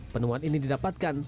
penuhan ini didapatkan